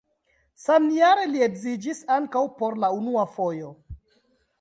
Samjare li edziĝis ankaŭ por la unua fojo.